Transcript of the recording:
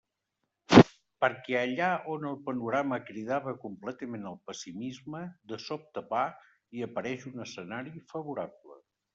Perquè allà on el panorama cridava completament al pessimisme, de sobte va i apareix un escenari favorable.